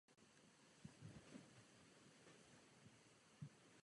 Tímto procesem si sůl zachová všechny přírodní prvky.